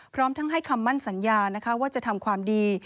พร้อมทั้งให้คำมั่นสัญญานะคะว่าจะทำความดี